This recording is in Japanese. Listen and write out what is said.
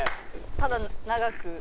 ただ長く。